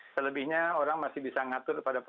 selebihnya orang masih bisa ngatur